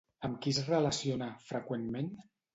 Amb qui es relaciona, freqüentment?